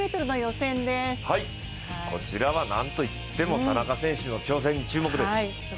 こちらはなんといっても田中選手の挑戦、注目です。